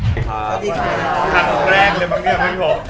สวัสดีครับ